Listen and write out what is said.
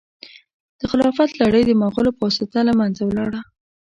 د خلافت لړۍ د مغولو په واسطه له منځه ولاړه.